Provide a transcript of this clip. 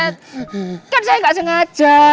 kan saya gak sengaja